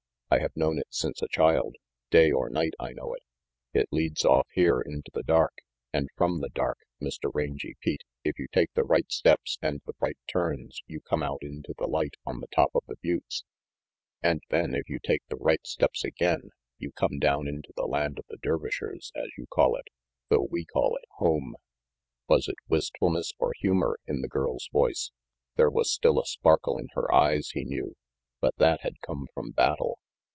I have known it since a child. Day or night I know it. It leads off here into the dark and from the dark, Mr. Rangy Pete, if you take the right steps and the right turns, you come out into the light on the top of the buttes, and then, if you take the right steps again, you come down into the land of the Dervishers, as you call it though we call it home : Was it wistfulness or humor in the girl's voice? There was still a sparkle in her eyes, he knew, but that had come from battle.